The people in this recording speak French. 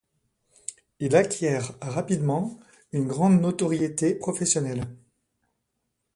Il acquiert rapidement une grande notoriété professionnelle.